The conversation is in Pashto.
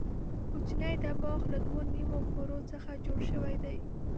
کوچنی دماغ له دوو نیمو کرو څخه جوړ شوی دی.